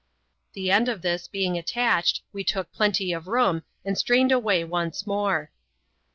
The end of this being attached, we took plenty of room, and strained away once more.